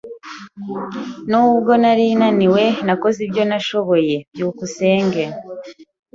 Nubwo nari naniwe, nakoze ibyo nashoboye. byukusenge